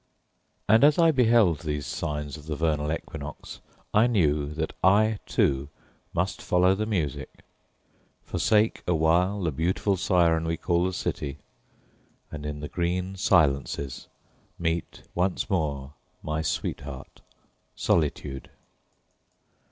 And as I beheld these signs of the vernal equinox I knew that I, too, must follow the music, forsake awhile the beautiful siren we call the city, and in the green silences meet once more my sweetheart Solitude.